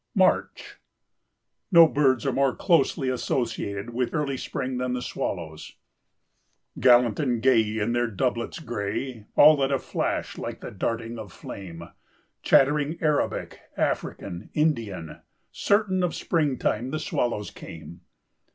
March. No birds are more closely associated with early spring than the swallows. "Gallant and gay in their doublets grey, All at a flash like the darting of flame, Chattering Arabic, African, Indian— Certain of springtime, the swallows came.